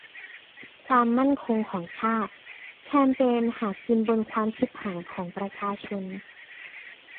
"ความมั่นคงของชาติ" แคมเปญหากินบนความฉิบหายของประชาชน